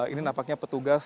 ini nampaknya petugas